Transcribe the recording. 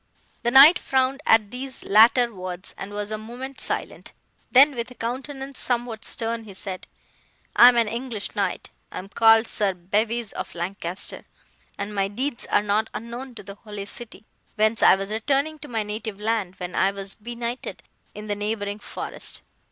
"The knight frowned at these latter words, and was a moment silent; then, with a countenance somewhat stern, he said, "'I am an English knight; I am called Sir Bevys of Lancaster,—and my deeds are not unknown at the Holy City, whence I was returning to my native land, when I was benighted in the neighbouring forest.